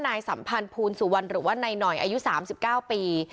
สัมพันธ์ภูลสุวรรณหรือว่านายหน่อยอายุ๓๙ปี